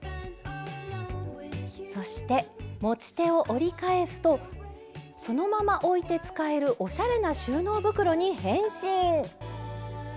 そして持ち手を折り返すとそのまま置いて使えるおしゃれな収納袋に変身！